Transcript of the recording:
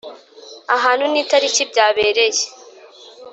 Ahantu n itariki byabereye